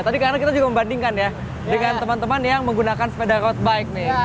tadi karena kita juga membandingkan ya dengan teman teman yang menggunakan sepeda road bike nih